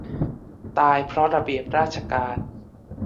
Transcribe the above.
ตายเพราะระเบียบราชการ